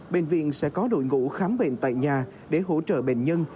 bệnh viện sẽ có đội ngũ khám bệnh tại nhà để hỗ trợ bệnh nhân